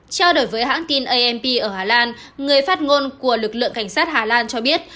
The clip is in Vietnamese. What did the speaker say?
trao đổi với hãng tin amp ở hà lan người phát ngôn của lực lượng cảnh sát hà lan cho biết